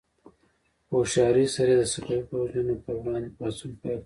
په هوښیارۍ سره یې د صفوي پوځونو پر وړاندې پاڅون پیل کړ.